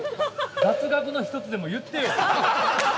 雑学の１つでも言ってよ。